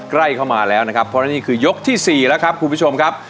ใกล้เข้ามาแล้วนะครับเพราะนั่นนี่คือยกที่๔แล้วครับคุณผู้ชมครับ